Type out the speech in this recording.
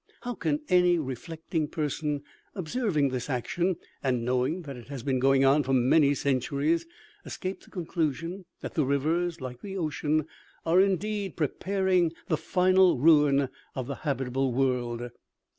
How can any reflecting person, observing this action, and knowing that it has been going on for many centuries, escape the conclusion that the rivers, like the ocean, are indeed preparing the final ruin of the habitable world